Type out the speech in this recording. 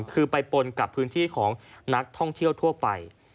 คือไปปนกับพื้นที่ของนักท่องเที่ยวทั่วไป